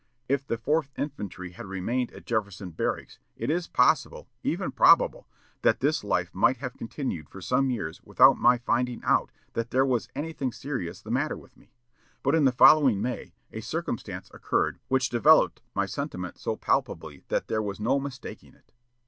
If the fourth infantry had remained at Jefferson Barracks it is possible, even probable, that this life might have continued for some years without my finding out that there was anything serious the matter with me; but in the following May a circumstance occurred which developed my sentiment so palpably that there was no mistaking it."